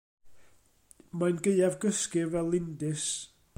Mae'n gaeafgysgu fel lindys.